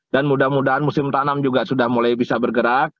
dan mudah mudahan musim tanam juga sudah mulai bisa bergerak